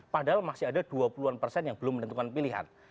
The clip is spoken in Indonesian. padahal masih ada dua puluh an persen yang belum menentukan pilihan